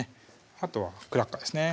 あとはクラッカーですね